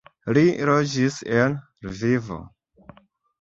Li loĝis en Lvivo.